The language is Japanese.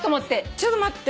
ちょっと待って。